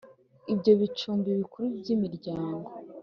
Ibyo bicumbi bikuru by’imiryango